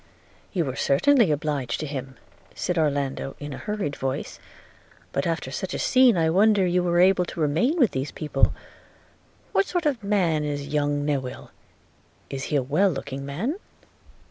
'You were certainly obliged to him,' said Orlando, in a hurried voice; 'but after such a scene I wonder you were able to remain with these people – What sort of a man is young Newill? Is he a well looking man?'